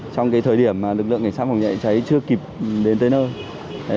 trong cái thời điểm mà lực lượng cảnh sát phòng cháy chưa kịp đến tới nơi